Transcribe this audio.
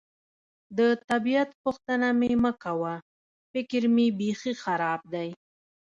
د طبیعت پوښتنه مې مه کوه، فکر مې بېخي خراب دی.